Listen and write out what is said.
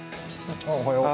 あおはよう。